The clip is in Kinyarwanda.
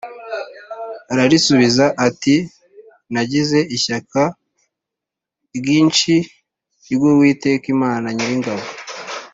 Ararisubiza ati “Nagize ishyaka ryinshi ry’Uwiteka Imana Nyiringabo